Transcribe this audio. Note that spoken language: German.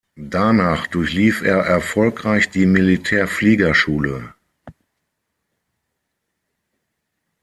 Danach durchlief er erfolgreich die Militärfliegerschule.